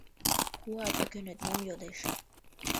Уа пӱкенет мом йодеш?